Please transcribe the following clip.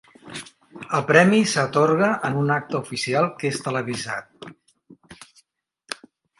El premi s'atorga en un acte oficial que és televisat.